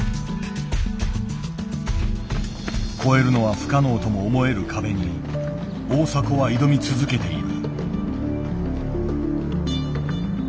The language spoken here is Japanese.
越えるのは不可能とも思える壁に大迫は挑み続けている。